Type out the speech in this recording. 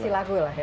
masih laku lah ya